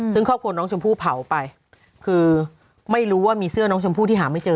ซึ่งครอบครัวน้องชมพู่เผาไปคือไม่รู้ว่ามีเสื้อน้องชมพู่ที่หาไม่เจอ